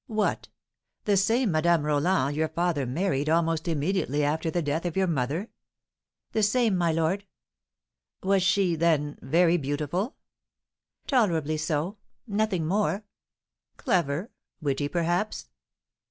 "What! the same Madame Roland your father married almost immediately after the death of your mother?" "The same, my lord." "Was she, then, very beautiful?" "Tolerably so, nothing more." "Clever, witty, perhaps?"